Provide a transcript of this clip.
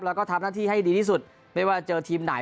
แล้วก็ทำหน้าที่ให้ดีที่สุดไม่ว่าจะเจอทีมไหน